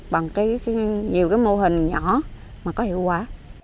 bằng nhiều mô hình nhỏ mà có hiệu quả